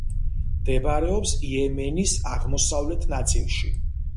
მდებარეობს იემენის აღმოსავლეთ ნაწილში.